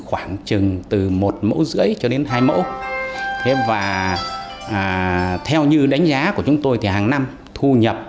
khoảng trừng từ một mẫu rưỡi cho đến hai mẫu theo như đánh giá của chúng tôi hàng năm thu nhập